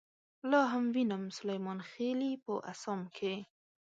لاهم وينم سليمانخيلې په اسام کې